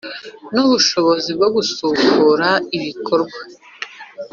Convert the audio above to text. N ubushobozi bwo gusubukura ibikorwa